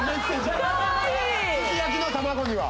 すき焼きの卵には。